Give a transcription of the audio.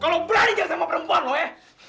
kalau berani jalan sama perempuan lo ya